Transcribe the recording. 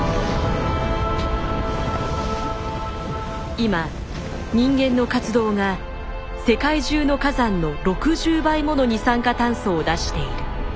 今人間の活動が世界中の火山の６０倍もの二酸化炭素を出している。